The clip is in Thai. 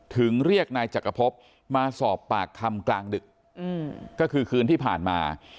เรียกนายจักรพบมาสอบปากคำกลางดึกก็คือคืนที่ผ่านมา